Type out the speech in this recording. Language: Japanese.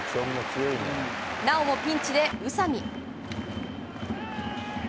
なおもピンチで宇佐見。